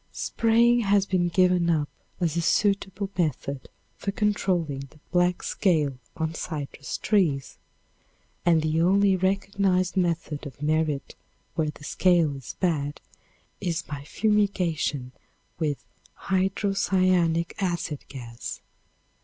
Spraying has been given up as a suitable method for controlling the black scale on citrus trees, and the only recognized method of merit where the scale is bad is by fumigation with hydrocyanic acid gas.